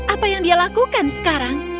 apa yang dia lakukan sekarang